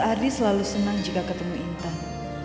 ardi selalu senang jika ketemu intan